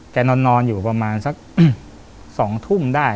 นอนอยู่ประมาณสัก๒ทุ่มได้